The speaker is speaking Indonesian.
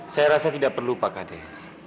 saya rasa tidak perlu pak kades